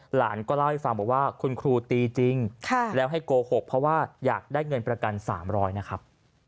หลานก็เล่าให้ฟังบอกว่าคุณครูตีจริงแล้วให้โกหกเพราะว่าอยากได้เงินประกัน๓๐๐นะครับ